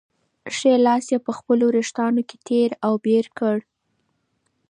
ښی لاس یې په خپلو وېښتانو کې تېر او بېر کړ.